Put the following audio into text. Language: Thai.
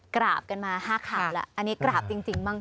กราบกันมาห้าขับแล้วอันนี้กราบจริงจริงบ้าง